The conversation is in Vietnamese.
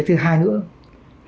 thứ hai nữa là